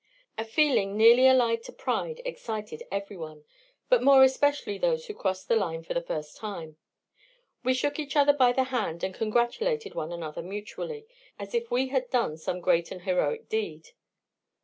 A feeling nearly allied to pride excited every one, but more especially those who crossed the line for the first time. We shook each other by the hand, and congratulated one another mutually, as if we had done some great and heroic deed.